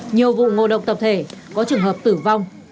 nhiều vụ ngộ độc tập thể có trường hợp tử vong